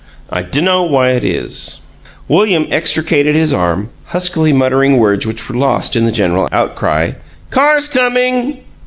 XIX "I DUNNO WHY IT IS" William extricated his arm, huskily muttering words which were lost in the general outcry, "Car's coming!"